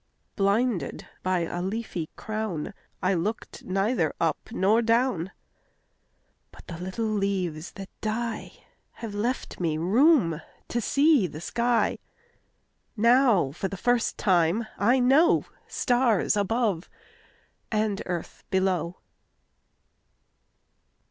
Blinded by a leafy crownI looked neither up nor down—But the little leaves that dieHave left me room to see the sky; Now for the first time I knowStars above and earth below.